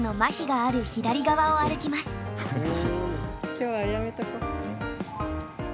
今日はやめとこ。